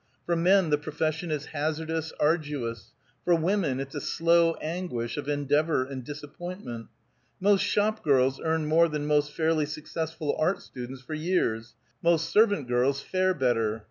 For men the profession is hazardous, arduous; for women it's a slow anguish of endeavor and disappointment. Most shop girls earn more than most fairly successful art students for years; most servant girls fare better.